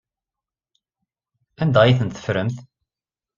Anda ay tent-teffremt?